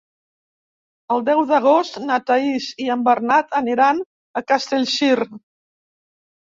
El deu d'agost na Thaís i en Bernat aniran a Castellcir.